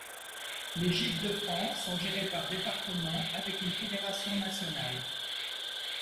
Les Gîtes de France sont gérés par département avec une fédération nationale.